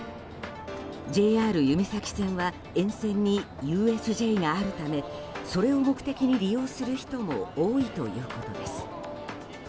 ＪＲゆめ咲線は沿線にＵＳＪがあるためそれを目的に利用する人も多いということです。